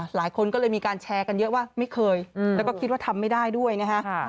หลายคนก็เลยมีการแชร์กันเยอะว่าไม่เคยแล้วก็คิดว่าทำไม่ได้ด้วยนะฮะ